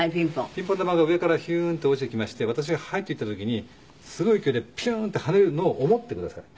ピンポン球が上からヒューンって落ちてきまして私が「はい」と言った時にすごい距離をピューンって跳ねるのを思ってください。